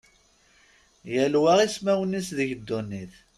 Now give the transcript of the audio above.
Yal wa iswan-is deg ddunit.